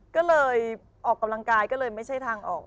ก็เลยออกกำลังกายก็เลยไม่ใช่ทางออก